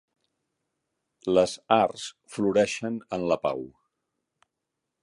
Les arts floreixen en la pau.